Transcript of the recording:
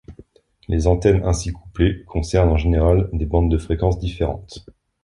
Les antennes ainsi couplées concernent en général des bandes de fréquences différentes.